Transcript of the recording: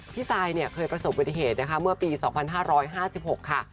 ซายเนี่ยเคยประสบอุบัติเหตุนะคะเมื่อปี๒๕๕๖ค่ะ